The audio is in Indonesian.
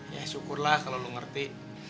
ya syukurlah kalau lo ngerti